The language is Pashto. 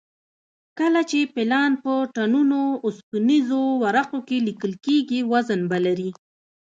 کله چې پلان په ټنونو اوسپنیزو ورقو کې لیکل کېږي وزن به لري